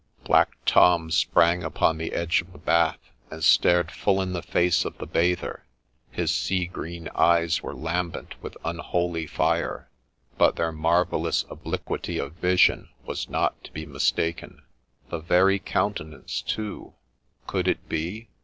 Black Tom sprang upon the edge of the bath, and stared full in the face of the bather : his sea green eyes were lambent with unholy fire, but their marvellous obliquity of vision was not to be mistaken ;— the very countenance too I Could it be